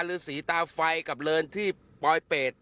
หรือสีตาไฟกับเลินที่ปลอยเป็ด